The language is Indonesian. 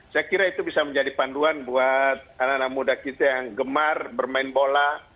saya kira itu bisa menjadi panduan buat anak anak muda kita yang gemar bermain bola